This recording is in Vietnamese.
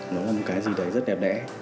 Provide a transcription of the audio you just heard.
nó là một cái gì đấy rất đẹp đẽ